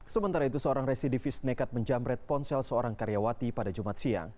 sementara itu seorang residivis nekat menjamret ponsel seorang karyawati pada jumat siang